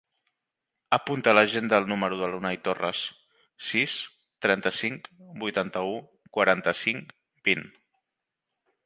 Apunta a l'agenda el número de l'Unai Torres: sis, trenta-cinc, vuitanta-u, quaranta-cinc, vint.